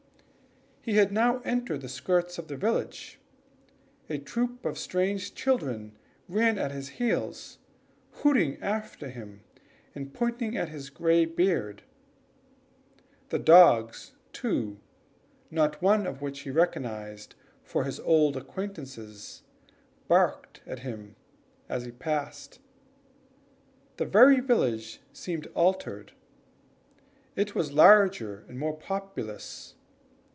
He had now entered the skirts of the village. A troop of strange children ran at his heels, hooting after him, and pointing at his gray beard. The dogs, too, not one of which he recognized for an old acquaintance, barked at him as he passed. The very village was altered; it was larger and more populous.